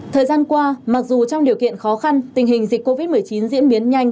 thời gian qua mặc dù trong điều kiện khó khăn tình hình dịch covid một mươi chín diễn biến nhanh